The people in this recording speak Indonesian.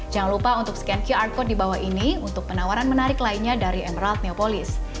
jangan lupa untuk scan qr code di bawah ini untuk penawaran menarik lainnya dari emerald neopolis